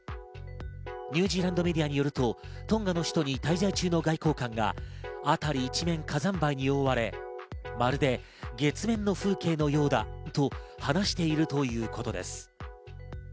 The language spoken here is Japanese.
ニュージーランドメディアによるとトンガの首都に滞在中の外交官が辺り一面、火山灰に覆われ、まるで月面の風景のようだと話しているということです。